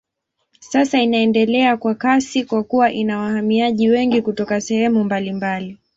Sasa inaendelea kwa kasi kwa kuwa ina wahamiaji wengi kutoka sehemu mbalimbali.